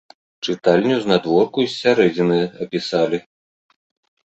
Чытальню з надворку й з сярэдзіны апісалі.